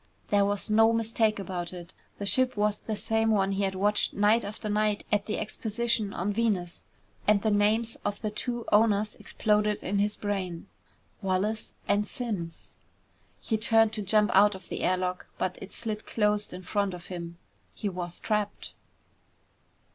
There was no mistake about it. The ship was the same one he had watched night after night at the exposition on Venus. And the names of the two owners exploded in his brain. "Wallace and Simms!" He turned to jump out of the air lock, but it slid closed in front of him. He was trapped.